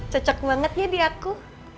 cocok banget ya di aku